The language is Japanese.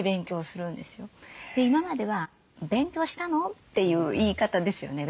今までは「勉強したの？」っていう言い方ですよね。